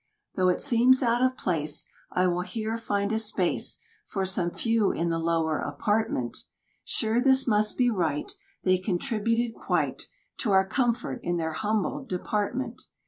Though it seems out of place I will here find a space For some few in the lower apartment; Sure this must be right, They contributed quite To our comfort, in their humble department.